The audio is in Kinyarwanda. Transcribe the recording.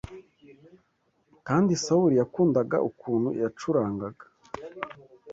kandi Sawuli yakundaga ukuntu yacurangaga